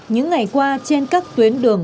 những ngày qua trên các tuyến đường